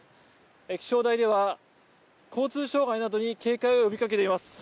気象台では、交通障害などに警戒を呼びかけています。